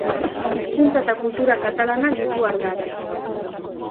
Hizkuntza eta kultura katalanak ditu ardatz.